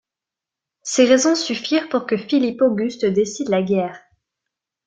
Ces raisons suffirent pour que Philippe-Auguste décide la guerre.